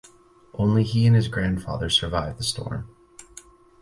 Only he and his grandfather survived the storm.